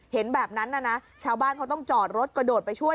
เห็นแบบนั้นนะชาวบ้านเขาต้องจอดรถกระโดดไปช่วย